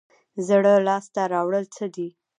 زړه لاس ته راوړل څه دي؟